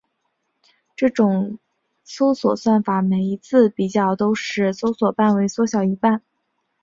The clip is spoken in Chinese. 这种搜索算法每一次比较都使搜索范围缩小一半。